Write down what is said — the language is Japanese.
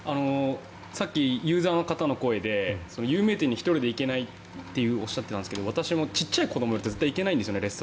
さっきユーザーの方の声で有名店に１人で行けないとおっしゃっていたんですけど小さい子どもを連れてると行けないんですよね。